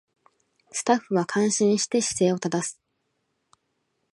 スタッフは感心して姿勢を正す